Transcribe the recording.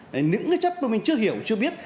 nếu những chất mà mình chưa hiểu chưa biết